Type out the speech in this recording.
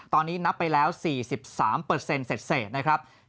ตอนนี้นับไปแล้ว๔๓เสร็จนะครับ